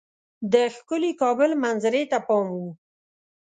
د ښکلي کابل منظرې ته پام وو.